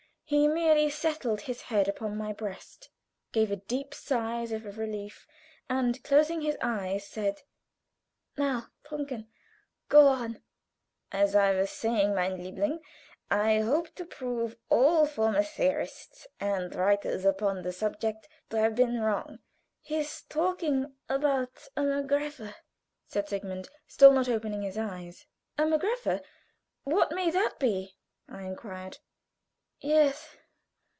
He merely settled his head upon my breast, gave a deep sigh as if of relief, and closing his eyes, said: "Now, Brunken, go on!" "As I was saying, mein Liebling, I hope to prove all former theorists and writers upon the subject to have been wrong " "He's talking about a Magrepha," said Sigmund, still not opening his eyes. "A Magrepha what may that be?" I inquired. "Yes.